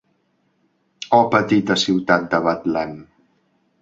Oh petita ciutat de Betlem.